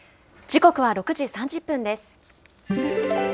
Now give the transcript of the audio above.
時刻は６時３０分です。